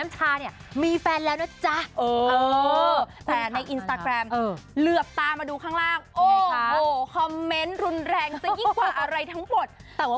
ไม่สามารถที่จะพูดออกอากาศได้จริงค่ะ